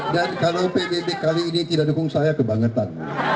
dan kalau pbb kali ini tidak dukung saya kebangetan